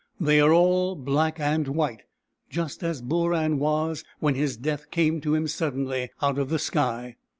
They are all black and white, just as Booran was when his Death came to him suddenly out of the sky.